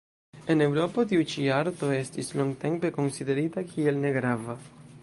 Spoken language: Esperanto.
En Eŭropo, tiu ĉi arto estis longtempe konsiderita kiel negrava.